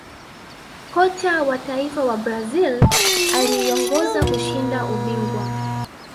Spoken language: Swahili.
Kocha wa taifa wa brazil aliiongoza kushinda ubingwa